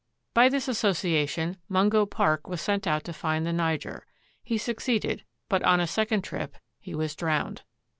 By this association Mungo Park was sent out to find the Niger. He succeeded, but on a second trip he was drowned.